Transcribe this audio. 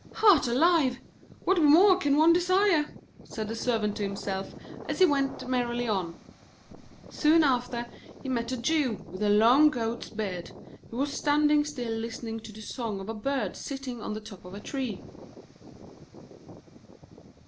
'Heart alive! what more can one desire,' said the Servant to himself, as he went merrily on. Soon after, he met a Jew with a long goat's beard, who was standing still listening to the song of a bird sitting on the top of a tree.